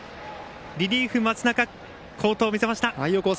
リリーフ、松中好投を見せました。